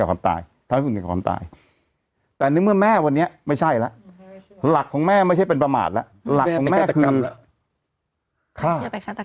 สมมุติว่าเราเข้าไปในขอโทษนะฮะ